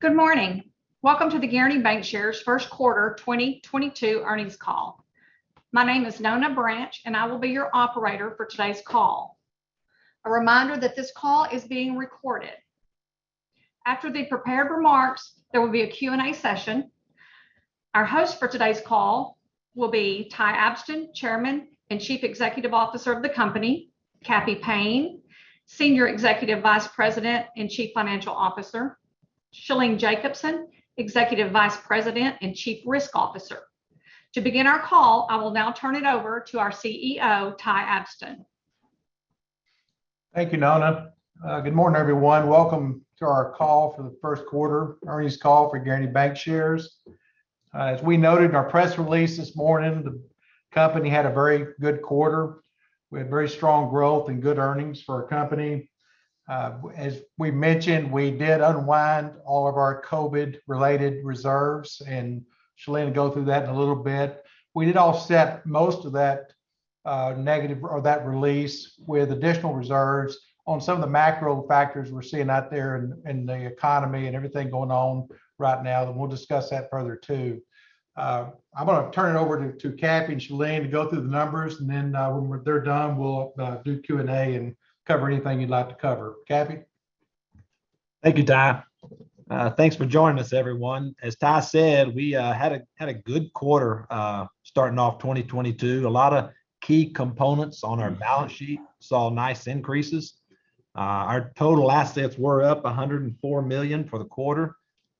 Good morning. Welcome to the Guaranty Bancshares first quarter 2022 earnings call. My name is Nona Branch, and I will be your operator for today's call. A reminder that this call is being recorded. After the prepared remarks, there will be a Q&A session. Our hosts for today's call will be Ty Abston, Chairman and Chief Executive Officer of the company, Cappy Payne, Senior Executive Vice President and Chief Financial Officer, Shalene Jacobson, Executive Vice President and Chief Risk Officer. To begin our call, I will now turn it over to our CEO, Ty Abston. Thank you, Nona. Good morning, everyone. Welcome to our call for the first quarter earnings call for Guaranty Bancshares. As we noted in our press release this morning, the company had a very good quarter with very strong growth and good earnings for our company. As we mentioned, we did unwind all of our COVID-related reserves, and Shalene will go through that in a little bit. We did offset most of that negative or that release with additional reserves on some of the macro factors we're seeing out there in the economy and everything going on right now, and we'll discuss that further too. I'm gonna turn it over to Cappy and Shalene to go through the numbers, and then when they're done, we'll do Q&A and cover anything you'd like to cover. Cappy? Thank you, Ty. Thanks for joining us, everyone. As Ty said, we had a good quarter starting off 2022. A lot of key components on our balance sheet saw nice increases. Our total assets were up $104 million for the quarter,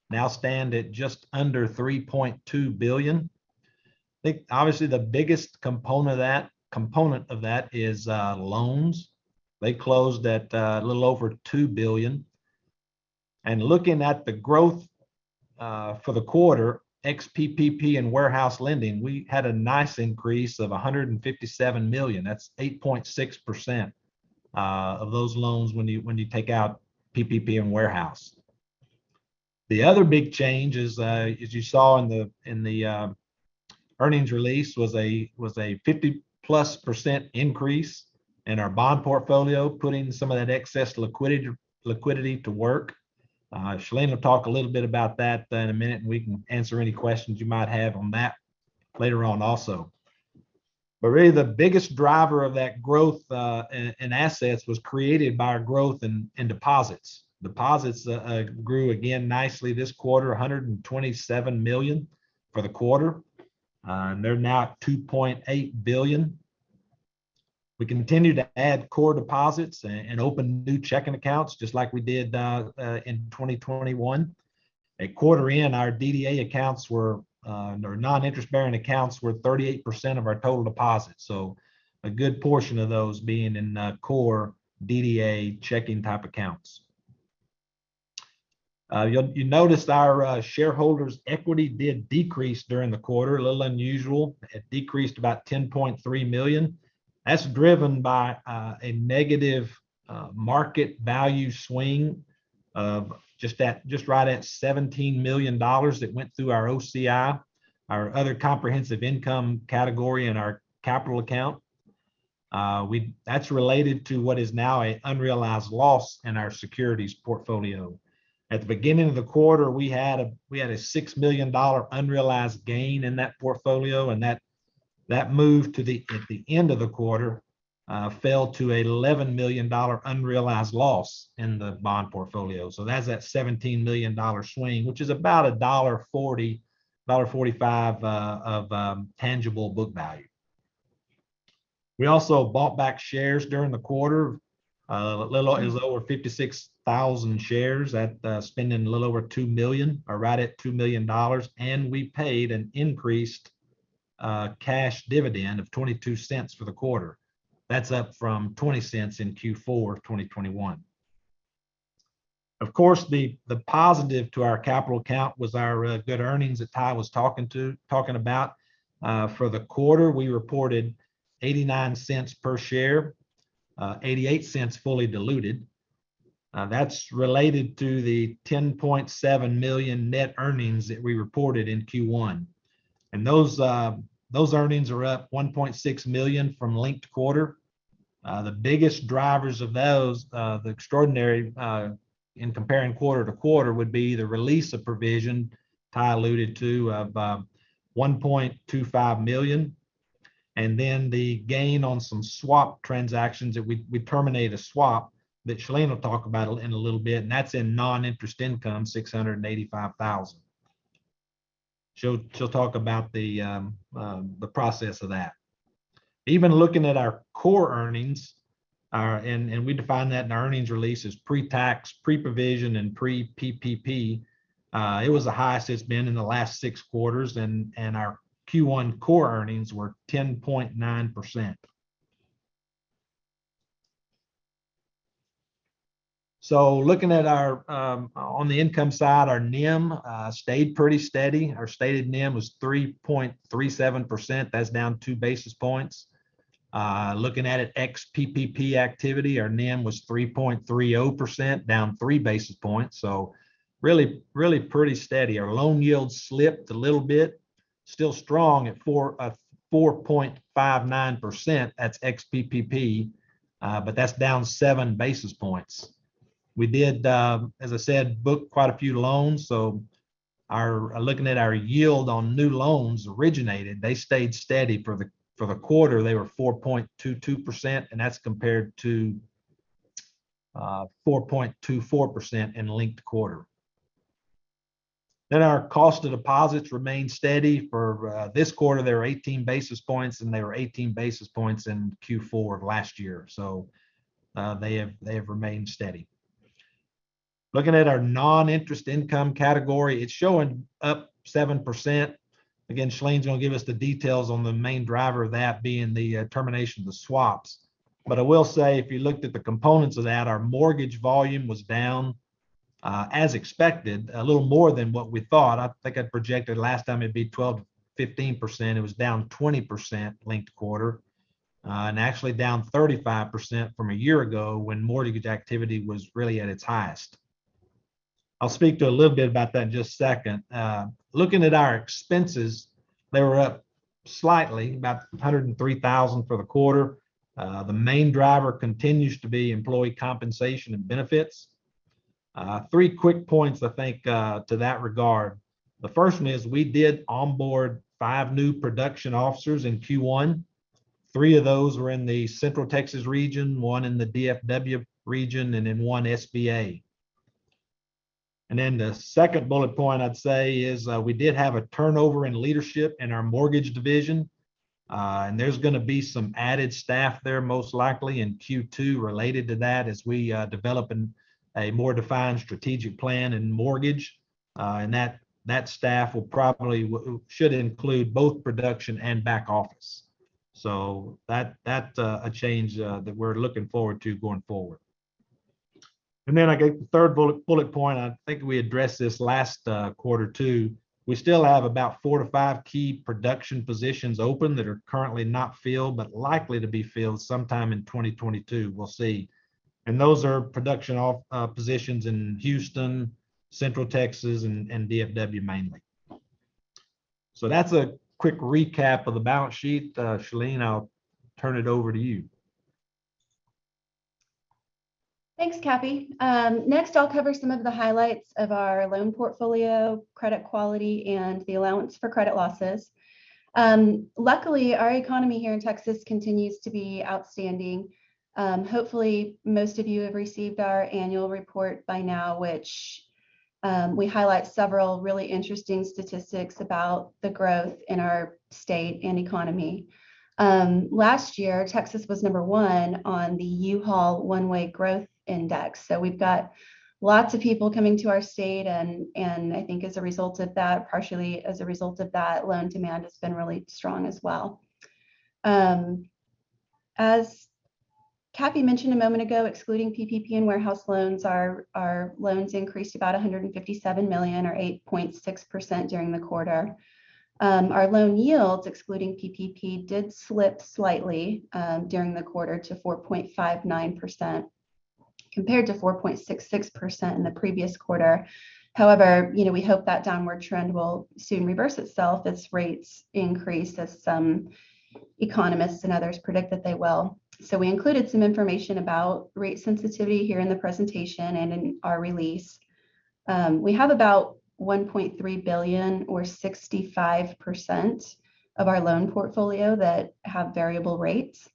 now stand at just under $3.2 billion. I think obviously the biggest component of that is loans. They closed at a little over $2 billion. And looking at the growth for the quarter, ex-PPP and warehouse lending, we had a nice increase of $157 million. That's 8.6% of those loans when you take out PPP and warehouse. The other big change is, as you saw in the earnings release, was a 50%+ increase in our bond portfolio, putting some of that excess liquidity to work. Shalene will talk a little bit about that in a minute, and we can answer any questions you might have on that later on also. Really the biggest driver of that growth in assets was created by our growth in deposits. Deposits grew again nicely this quarter, $127 million for the quarter, and they're now at $2.8 billion. We continue to add core deposits and open new checking accounts just like we did in 2021. A quarter in, our DDA accounts were, or non-interest-bearing accounts were 38% of our total deposits, so a good portion of those being in, core DDA checking type accounts. You noticed our shareholders' equity did decrease during the quarter, a little unusual. It decreased about $10.3 million. That's driven by a negative market value swing of just right at $17 million that went through our OCI, our other comprehensive income category in our capital account. That's related to what is now an unrealized loss in our securities portfolio. At the beginning of the quarter, we had a $6 million unrealized gain in that portfolio, and that moved to the, at the end of the quarter, fell to an $11 million unrealized loss in the bond portfolio. That's that $17 million swing, which is about a $1.40, $1.45 of tangible book value. We also bought back shares during the quarter, over 56,000 shares at, spending a little over $2 million or right at $2 million, and we paid an increased cash dividend of $0.22 for the quarter. That's up from $0.20 in Q4 2021. Of course, the positive to our capital count was our good earnings that Ty was talking about. For the quarter, we reported $0.89 per share, $0.88 fully diluted. That's related to the $10.7 million net earnings that we reported in Q1. Those earnings are up $1.6 million from linked quarter. The biggest drivers of those, the extraordinary, in comparing quarter-to-quarter, would be the release of provision Ty alluded to of $1.25 million, and then the gain on some swap transactions that we terminate a swap that Shalene will talk about in a little bit, and that's in non-interest income, $685,000. She'll talk about the process of that. Even looking at our core earnings, and we define that in our earnings release as pre-tax, pre-provision, and pre-PPP, it was the highest it's been in the last six quarters and our Q1 core earnings were 10.9%. Looking at our on the income side, our NIM stayed pretty steady. Our stated NIM was 3.37%. That's down 2 basis points. Looking at it ex-PPP activity, our NIM was 3.30%, down 3 basis points, so really pretty steady. Our loan yield slipped a little bit. Still strong at 4.59%. That's ex PPP, but that's down 7 basis points. We did, as I said, book quite a few loans. Our, looking at our yield on new loans originated, they stayed steady for the quarter. They were 4.22%, and that's compared to 4.24% in linked quarter. Our cost of deposits remained steady for this quarter. They were 18 basis points, and they were 18 basis points in Q4 of last year. They have remained steady. Looking at our non-interest income category, it's showing up 7%. Shalene's gonna give us the details on the main driver of that being the termination of the swaps. I will say, if you looked at the components of that, our mortgage volume was down, as expected, a little more than what we thought. I think I projected last time it'd be 12%-15%. It was down 20% linked quarter. Actually down 35% from a year ago when mortgage activity was really at its highest. I'll speak to a little bit about that in just a second. Looking at our expenses, they were up slightly, about $103,000 for the quarter. The main driver continues to be employee compensation and benefits. Three quick points I think to that regard. The first one is we did onboard five new production officers in Q1. Three of those were in the Central Texas region, one in the DFW region, and then one SBA. And then the second bullet point I'd say is, we did have a turnover in leadership in our mortgage division. There's gonna be some added staff there most likely in Q2 related to that as we develop a more defined strategic plan in mortgage. And that staff should include both production and back office. So that's a change that we're looking forward to going forward. I guess the third bullet point, I think we addressed this last quarter too. We still have about four to five key production positions open that are currently not filled, but likely to be filled sometime in 2022. We'll see. And those are production offices in Houston, Central Texas, and DFW mainly. So that's a quick recap of the balance sheet. Shalene, I'll turn it over to you. Thanks, Cappy. Next I'll cover some of the highlights of our loan portfolio, credit quality, and the allowance for credit losses. Luckily, our economy here in Texas continues to be outstanding. Hopefully most of you have received our annual report by now, which we highlight several really interesting statistics about the growth in our state and economy. Last year, Texas was number one on the U-Haul One-Way Growth Index. We've got lots of people coming to our state, and I think as a result of that, partially as a result of that, loan demand has been really strong as well. As Cappy mentioned a moment ago, excluding PPP and warehouse loans, our loans increased about $157 million or 8.6% during the quarter. Our loan yields, excluding PPP, did slip slightly during the quarter to 4.59%, compared to 4.66% in the previous quarter. However, you know, we hope that downward trend will soon reverse itself as rates increase as some economists and others predict that they will. We included some information about rate sensitivity here in the presentation and in our release. We have about $1.3 billion or 65% of our loan portfolio that have variable rates.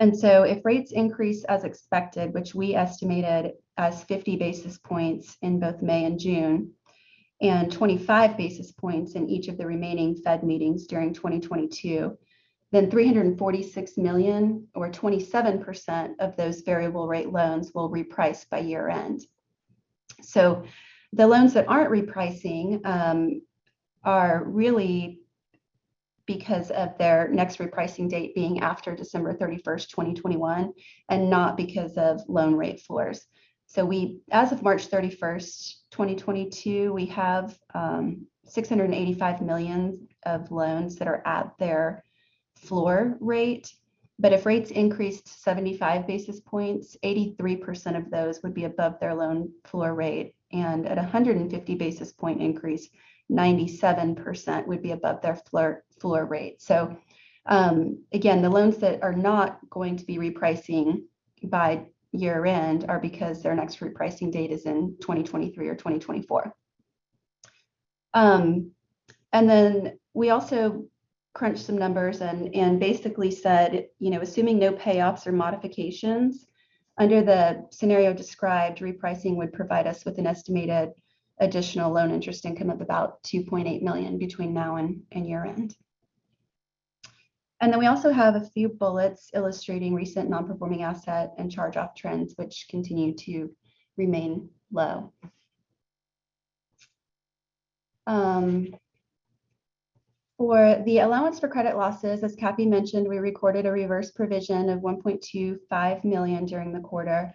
If rates increase as expected, which we estimated as 50 basis points in both May and June, and 25 basis points in each of the remaining Fed meetings during 2022, then $346 million or 27% of those variable rate loans will reprice by year-end. The loans that aren't repricing are really because of their next repricing date being after December 31, 2021, and not because of loan rate floors. We, as of March 31, 2022, we have $685 million of loans that are at their floor rate. But if rates increased 75 basis points, 83% of those would be above their loan floor rate. And at a 150 basis point increase, 97% would be above their floor rate. Again, the loans that are not going to be repricing by year-end are because their next repricing date is in 2023 or 2024. And then we also crunched some numbers and basically said, you know, assuming no payoffs or modifications, under the scenario described, repricing would provide us with an estimated additional loan interest income of about $2.8 million between now and year-end. And then we also have a few bullets illustrating recent non-performing asset and charge-off trends which continue to remain low. For the allowance for credit losses, as Cappy mentioned, we recorded a reverse provision of $1.25 million during the quarter.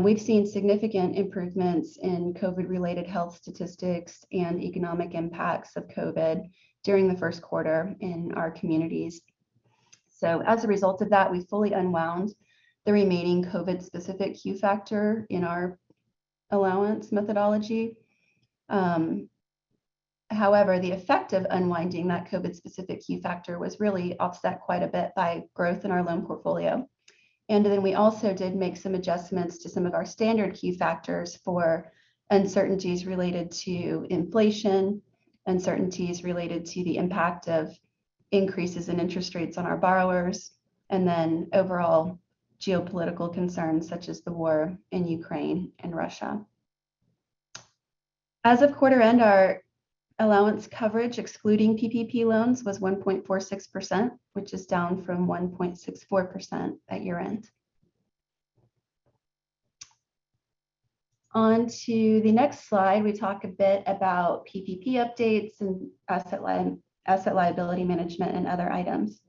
We've seen significant improvements in COVID-related health statistics and economic impacts of COVID during the first quarter in our communities. As a result of that, we fully unwound the remaining COVID-specific Q factor in our allowance methodology. However, the effect of unwinding that COVID-specific Q factor was really offset quite a bit by growth in our loan portfolio. We also did make some adjustments to some of our standard Q factors for uncertainties related to inflation, uncertainties related to the impact of increases in interest rates on our borrowers, and then overall geopolitical concerns such as the war in Ukraine and Russia. As of quarter end, our allowance coverage excluding PPP loans was 1.46%, which is down from 1.64% at year-end. On to the next slide, we talk a bit about PPP updates and asset liability management and other items.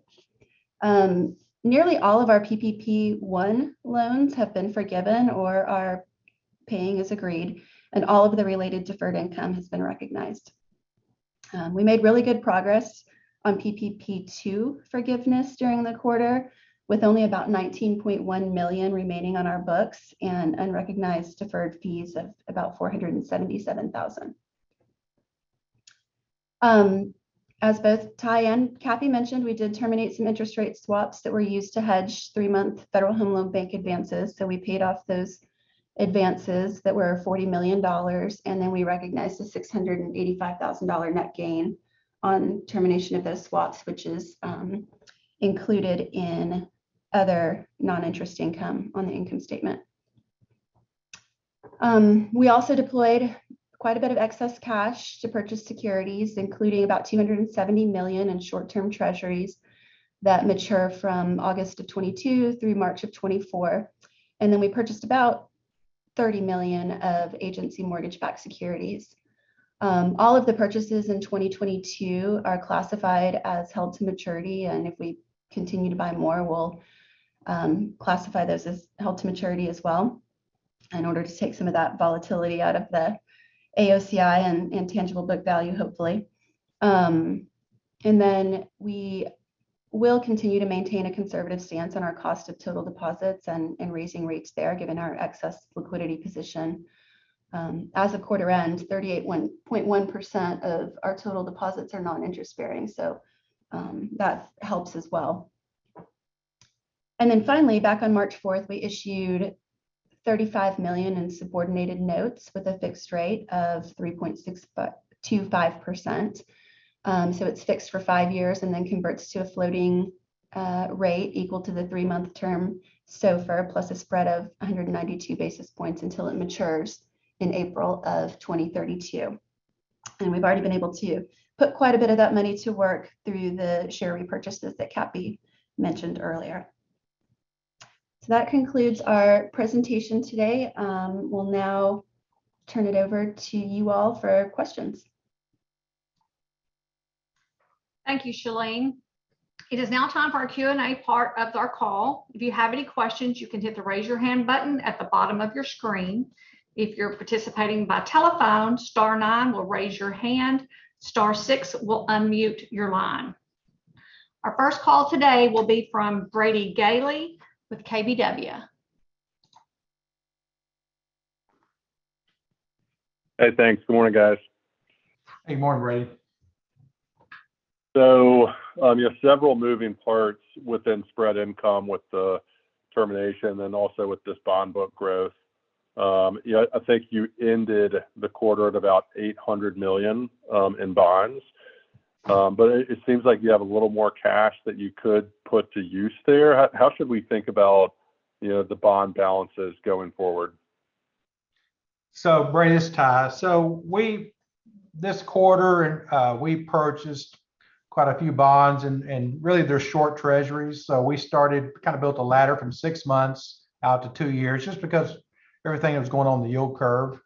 Nearly all of our PPP 1 loans have been forgiven or are paying as agreed, and all of the related deferred income has been recognized. We made really good progress on PPP loan forgiveness during the quarter, with only about $19.1 million remaining on our books and unrecognized deferred fees of about $477,000. As both Ty and Cappy mentioned, we did terminate some interest rate swaps that were used to hedge three-month Federal Home Loan Bank advances. We paid off those advances that were $40 million, and then we recognized a $685,000 net gain on termination of those swaps, which is included in other non-interest income on the income statement. We also deployed quite a bit of excess cash to purchase securities, including about $270 million in short-term treasuries that mature from August 2022 through March 2024. And we purchased about $30 million of agency mortgage-backed securities. All of the purchases in 2022 are classified as held to maturity, and if we continue to buy more, we'll classify those as held to maturity as well in order to take some of that volatility out of the AOCI and tangible book value, hopefully. And then we will continue to maintain a conservative stance on our cost of total deposits and raising rates there given our excess liquidity position. As of quarter end, 38.1% of our total deposits are non-interest bearing, so that helps as well. Finally, back on March 4, we issued $35 million in subordinated notes with a fixed rate of 3.625%. It's fixed for five years and then converts to a floating rate equal to the three-month term SOFR plus a spread of 192 basis points until it matures in April of 2032. We've already been able to put quite a bit of that money to work through the share repurchases that Cappy mentioned earlier. That concludes our presentation today. We'll now turn it over to you all for questions. Thank you, Shalene. It is now time for our Q&A part of our call. If you have any questions, you can hit the raise your hand button at the bottom of your screen. If you're participating by telephone, star nine will raise your hand, star six will unmute your line. Our first call today will be from Brady Gailey with KBW. Hey, thanks. Good morning, guys. Good morning, Brady. So you have several moving parts within spread income with the termination and also with this bond book growth. You know, I think you ended the quarter at about $800 million in bonds. But it seems like you have a little more cash that you could put to use there. How should we think about, you know, the bond balances going forward? Brady, it's Ty. So we, this quarter, we purchased quite a few bonds and really they're short treasuries. We started, kind of built a ladder from six months out to two years just because everything that was going on in the yield curve.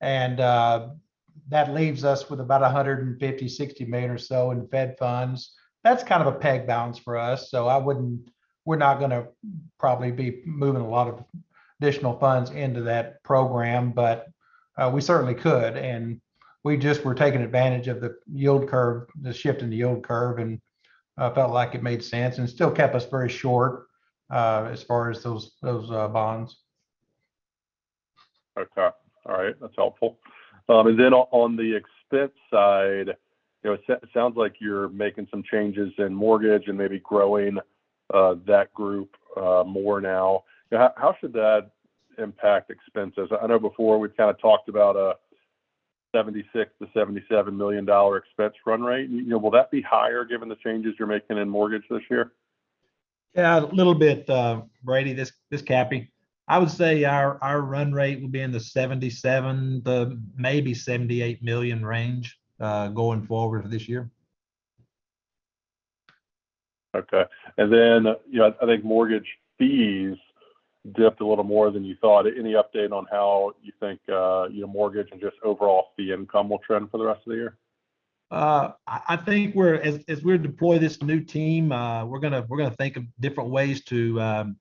That leaves us with about $150 million-$160 million or so in Fed funds. That's kind of a peg balance for us. We're not gonna probably be moving a lot of additional funds into that program. We certainly could. We just were taking advantage of the yield curve, the shift in the yield curve, and felt like it made sense and still kept us very short, as far as those bonds. Okay. All right. That's helpful. And then on the expense side, you know, it sounds like you're making some changes in mortgage and maybe growing that group more now. How should that impact expenses? I know before we've kind of talked about a $76 million-$77 million expense run rate. You know, will that be higher given the changes you're making in mortgage this year? Yeah, a little bit, Brady. This is Cappy. I would say our run rate will be in the $77 million to maybe $78 million range, going forward for this year. Okay and then yes, I think mortgage fees dipped a little more than you thought. Any update on how you think, you know, mortgage and just overall fee income will trend for the rest of the year? I think as we deploy this new team, we're gonna think of different ways to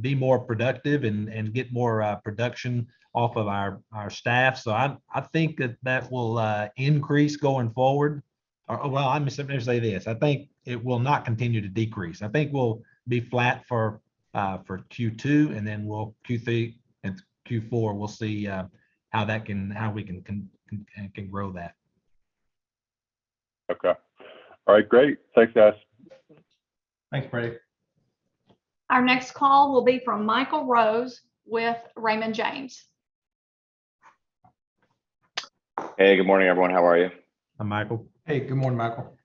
be more productive and get more production off of our staff. So I think that will increase going forward. Well, I'm just gonna say this, I think it will not continue to decrease. I think we'll be flat for Q2, and then Q3 and Q4, we'll see how we can grow that. Okay. All right, great. Thanks, guys. Thanks, Brady. Our next call will be from Michael Rose with Raymond James. Hey, good morning, everyone. How are you? Hi, Michael. Hey. Good morning, Michael.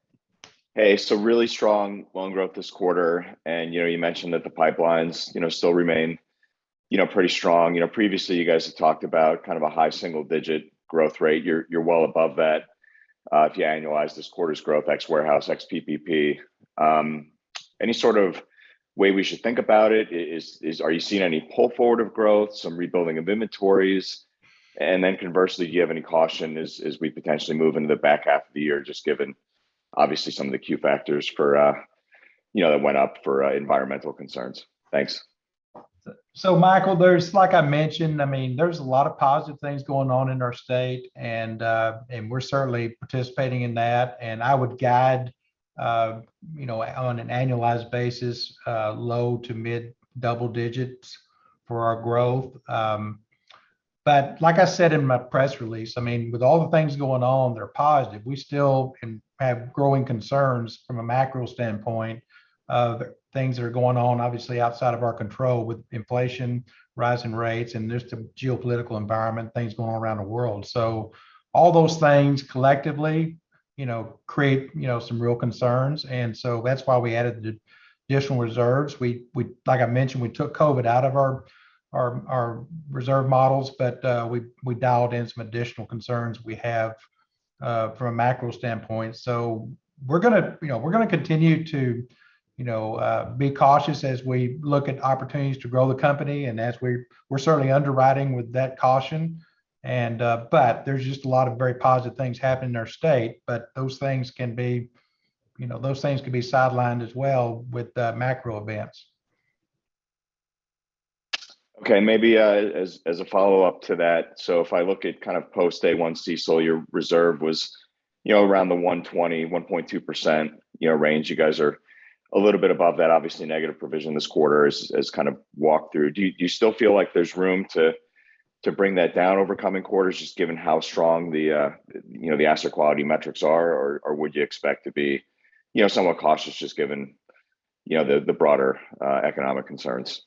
Hey, really strong loan growth this quarter, and, you know, you mentioned that the pipelines, you know, still remain, you know, pretty strong. You know, previously, you guys had talked about kind of a high single digit growth rate. You're well above that, if you annualize this quarter's growth, ex-warehouse, ex-PPP. Any sort of way we should think about it? Is, are you seeing any pull forward of growth, some rebuilding of inventories? And then conversely, do you have any caution as we potentially move into the back half of the year, just given obviously some of the Q factors for, you know, that went up for environmental concerns? Thanks. Michael, there's like I mentioned, I mean, there's a lot of positive things going on in our state and we're certainly participating in that. I would guide, you know, on an annualized basis, low to mid double digits for our growth. Like I said in my press release, I mean, with all the things going on that are positive, we still can have growing concerns from a macro standpoint of things that are going on, obviously outside of our control with inflation, rising rates, and just the geopolitical environment, things going around the world. All those things collectively, you know, create, you know, some real concerns. That's why we added the additional reserves. Like I mentioned, we took COVID out of our reserve models, but we dialed in some additional concerns we have from a macro standpoint. We're gonna, you know, continue to, you know, be cautious as we look at opportunities to grow the company and as we're certainly underwriting with that caution, but there's just a lot of very positive things happening in our state. Those things can be, you know, sidelined as well with macro events. Okay. Maybe as a follow-up to that, so if I look at kind of post CECL, your reserve was, you know, around the 1.20, 1.2% range. You guys are a little bit above that, obviously negative provision this quarter as we kind of walk through. Do you still feel like there's room to bring that down over coming quarters, just given how strong the asset quality metrics are? Or would you expect to be, you know, somewhat cautious just given the broader economic concerns?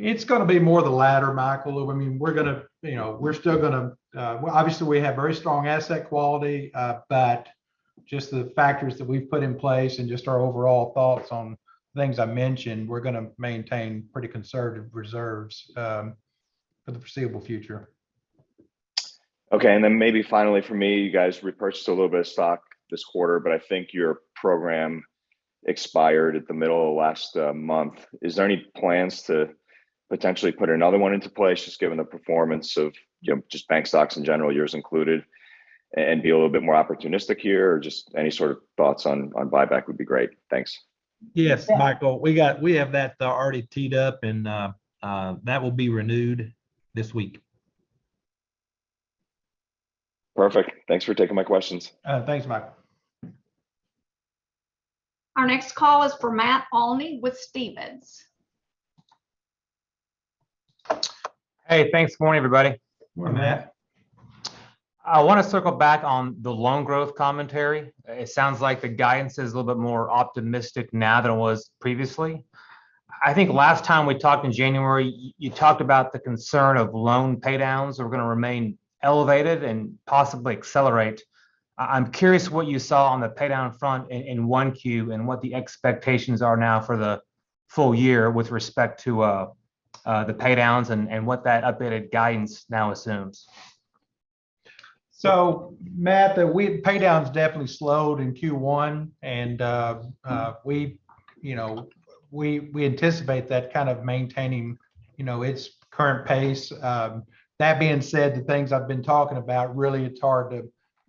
It's gonna be more the latter, Michael. I mean, we're gonna, you know, we're still gonna. Well, obviously we have very strong asset quality, but just the factors that we've put in place and just our overall thoughts on things I mentioned, we're gonna maintain pretty conservative reserves, for the foreseeable future. Okay. Maybe finally for me, you guys repurchased a little bit of stock this quarter, but I think your program expired at the middle of last month. Is there any plans to potentially put another one into place, just given the performance of, you know, just bank stocks in general, yours included, and be a little bit more opportunistic here, or just any sort of thoughts on buyback would be great. Thanks. Yes, Michael. Go ahead. We have that already teed up and that will be renewed this week. Perfect. Thanks for taking my questions. Thanks, Michael. Our next call is for Matt Olney with Stephens. Hey, thanks. Morning, everybody. Morning, Matt. Morning. I wanna circle back on the loan growth commentary. It sounds like the guidance is a little bit more optimistic now than it was previously. I think last time we talked in January, you talked about the concern of loan pay downs were gonna remain elevated and possibly accelerate. I'm curious what you saw on the pay down front in 1Q and what the expectations are now for the full year with respect to the pay downs and what that updated guidance now assumes. So Matt, the pay down's definitely slowed in Q1 and we anticipate that kind of maintaining its current pace. That being said, the things I've been talking about, really it's hard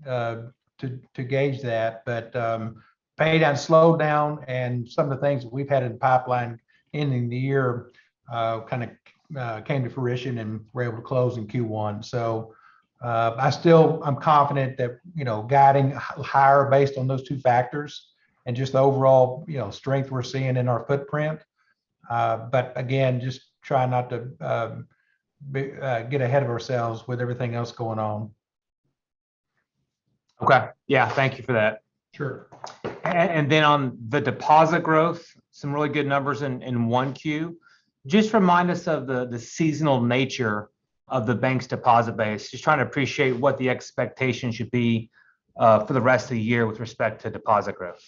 to gauge that. Pay down slowed down and some of the things that we've had in pipeline ending the year kind of came to fruition and we're able to close in Q1. So, I still, I'm confident that you know guiding higher based on those two factors and just the overall you know strength we're seeing in our footprint. But again, just trying not to get ahead of ourselves with everything else going on. Okay. Yeah. Thank you for that. Sure. Then on the deposit growth, some really good numbers in 1Q. Just remind us of the seasonal nature of the bank's deposit base, just trying to appreciate what the expectation should be, for the rest of the year with respect to deposit growth.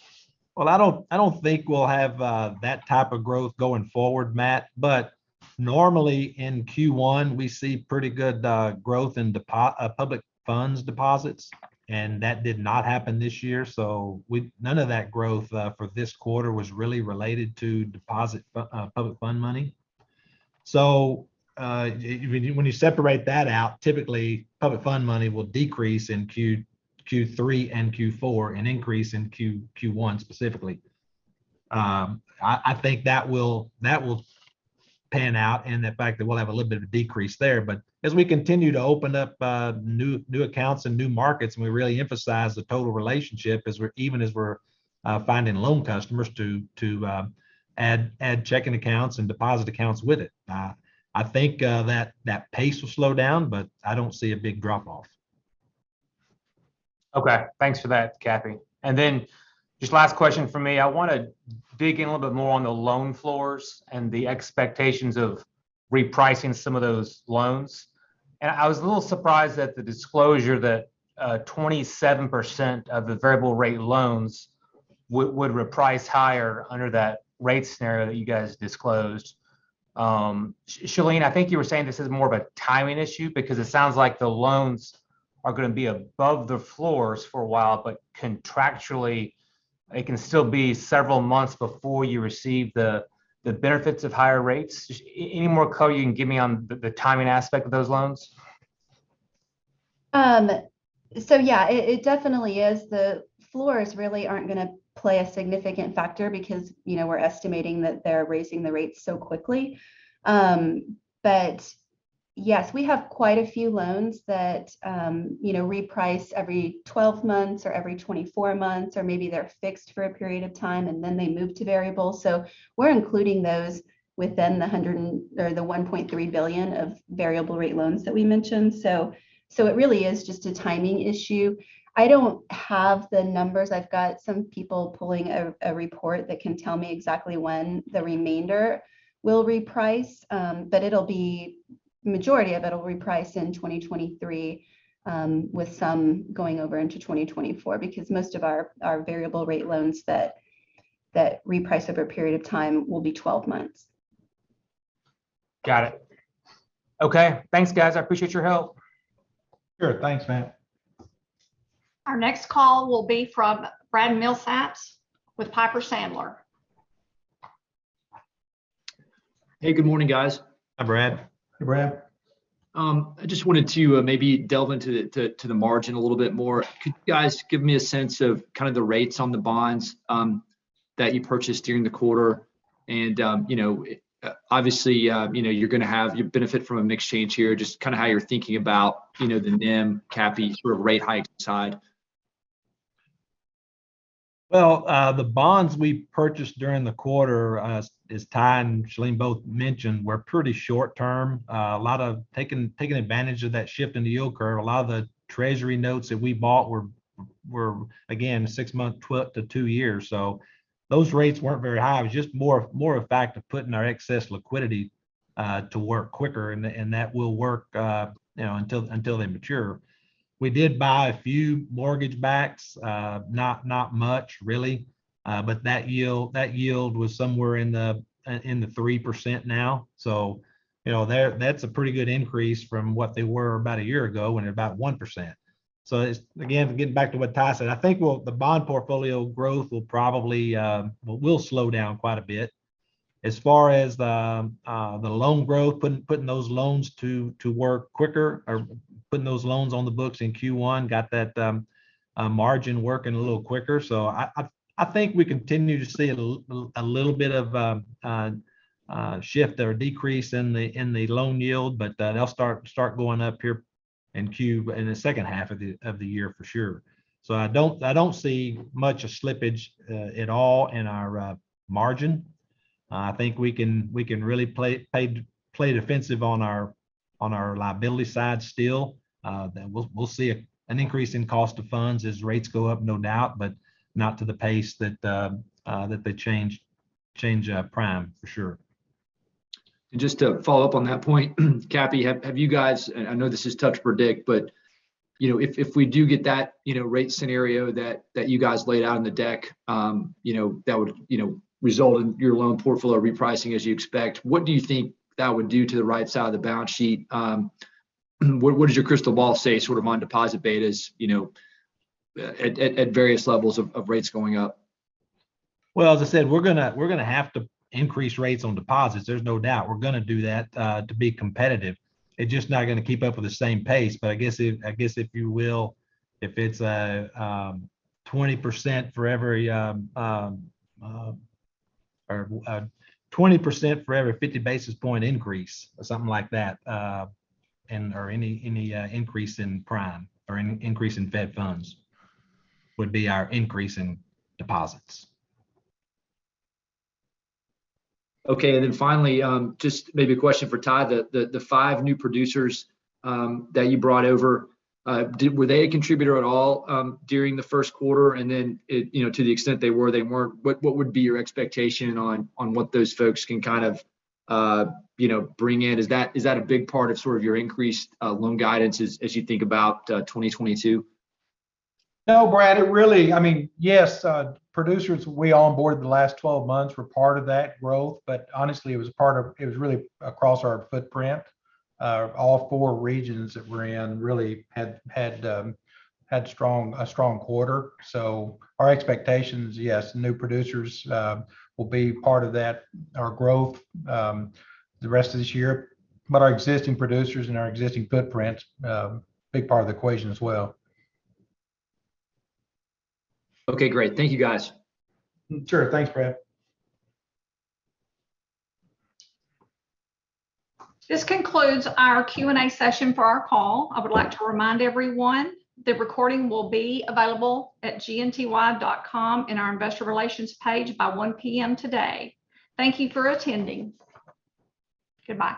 Well, I don't think we'll have that type of growth going forward, Matt, but normally in Q1 we see pretty good growth in public funds deposits, and that did not happen this year. None of that growth for this quarter was really related to public fund money. When you separate that out, typically public fund money will decrease in Q3 and Q4, and increase in Q1 specifically. I think that will pan out and the fact that we'll have a little bit of a decrease there. As we continue to open up new accounts and new markets, and we really emphasize the total relationship, even as we're finding loan customers to add checking accounts and deposit accounts with it. I think that pace will slow down, but I don't see a big drop-off. Okay. Thanks for that, Cappy. Just last question from me. I wanna dig in a little bit more on the loan floors and the expectations of repricing some of those loans. I was a little surprised at the disclosure that 27% of the variable rate loans would reprice higher under that rate scenario that you guys disclosed. Shalene, I think you were saying this is more of a timing issue because it sounds like the loans are gonna be above the floors for a while, but contractually it can still be several months before you receive the benefits of higher rates. Any more color you can give me on the timing aspect of those loans? Yeah, it definitely is. The floors really aren't gonna play a significant factor because, you know, we're estimating that they're raising the rates so quickly. Yes, we have quite a few loans that, you know, reprice every 12 months or every 24 months, or maybe they're fixed for a period of time and then they move to variable. So we're including those within the $1.3 billion of variable rate loans that we mentioned. It really is just a timing issue. I don't have the numbers. I've got some people pulling a report that can tell me exactly when the remainder will reprice. It'll be majority of it'll reprice in 2023, with some going over into 2024 because most of our variable rate loans that reprice over a period of time will be 12 months. Got it. Okay. Thanks guys. I appreciate your help. Sure. Thanks, Matt. Our next call will be from Brad Milsaps with Piper Sandler. Hey, good morning, guys. Hi, Brad. Hey, Brad. I just wanted to maybe delve into the margin a little bit more. Could you guys give me a sense of kind of the rates on the bonds that you purchased during the quarter? You know, obviously, you know, you're gonna have you benefit from a mix change here, just kind of how you're thinking about, you know, the NIM, Cappy sort of rate hike side. Well, the bonds we purchased during the quarter, as Ty and Shalene both mentioned, were pretty short term. A lot of taking advantage of that shift in the yield curve. A lot of the Treasury notes that we bought were again six month to two year. Those rates weren't very high. It was just more a fact of putting our excess liquidity to work quicker and that will work you know until they mature. We did buy a few mortgage backs, not much really. That yield was somewhere in the 3% now, so you know that's a pretty good increase from what they were about a year ago when about 1%. It's again, getting back to what Ty said, I think the bond portfolio growth will probably slow down quite a bit. As far as the loan growth, putting those loans to work quicker or putting those loans on the books in Q1 got that margin working a little quicker. I think we continue to see a little bit of a shift or decrease in the loan yield, but they'll start going up here in the second half of the year for sure. So I don't see much slippage at all in our margin. I think we can really play defensive on our liability side still. We'll see an increase in cost of funds as rates go up, no doubt, but not to the pace that they change prime for sure. And just to follow up on that point, Cappy, have you guys. I know this is tough to predict, but you know, if we do get that you know, rate scenario that you guys laid out in the deck, you know, that would you know, result in your loan portfolio repricing as you expect. What do you think that would do to the right side of the balance sheet? What does your crystal ball say sort of on deposit betas, you know, at various levels of rates going up? Well, as I said, we're gonna have to increase rates on deposits. There's no doubt we're gonna do that to be competitive. It's just not gonna keep up with the same pace. I guess if you will, if it's a 20% for every or 20% for every 50 basis point increase or something like that, and or any increase in prime or increase in Fed funds would be our increase in deposits. Okay. Finally, just maybe a question for Ty. The five new producers that you brought over, were they a contributor at all during the first quarter? And then to the extent they were, they weren't, what would be your expectation on what those folks can kind of bring in? Is that a big part of sort of your increased loan guidance as you think about 2022? No, Brad, it really, I mean, yes, producers we onboarded the last 12 months were part of that growth, but honestly, it was really across our footprint. All four regions that we're in really had a strong quarter. Our expectations, yes, new producers will be part of that, our growth, the rest of this year. Our existing producers and our existing footprint big part of the equation as well. Okay, great. Thank you, guys. Sure. Thanks, Brad. This concludes our Q&A session for our call. I would like to remind everyone the recording will be available at gnty.com in our investor relations page by 1 P.M. today. Thank you for attending. Goodbye.